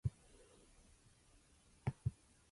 Shiragatake is a designated nature reserve.